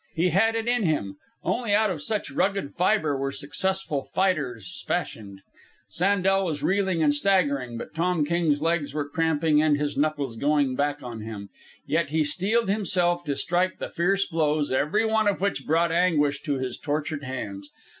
He had it in him. Only out of such rugged fibre were successful fighters fashioned. Sandel was reeling and staggering, but Tom King's legs were cramping and his knuckles going back on him. Yet he steeled himself to strike the fierce blows, every one of which brought anguish to his tortured hands.